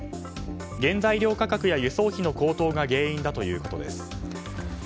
原材料価格や輸送費の高騰が原因ということです。